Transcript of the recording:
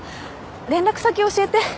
連絡先教えて。